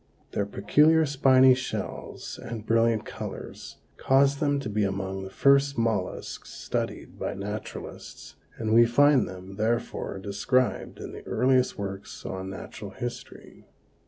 Their peculiar spiny shells and brilliant colors caused them to be among the first mollusks studied by naturalists and we find them, therefore, described in the earliest works on natural history.